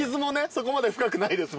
そこまで深くないですもんね。